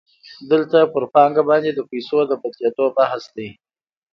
دلته په پانګه باندې د پیسو د بدلېدو بحث دی